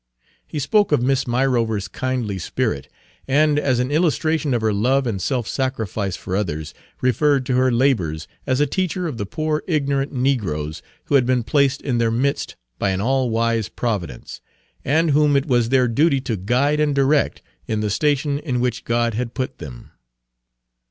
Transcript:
He spoke of Miss Myrover's kindly spirit, and, as an illustration of her love and self sacrifice for others, referred to her labors as a teacher of the poor ignorant negroes who had been placed in their midst by an all wise Providence, and whom it was their duty to guide and direct in the station in which God had put them.